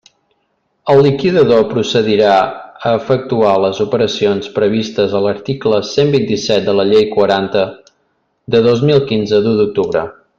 El liquidador procedirà a efectuar les operacions previstes a l'article cent vint-i-set de la Llei quaranta de dos mil quinze, d'u d'octubre.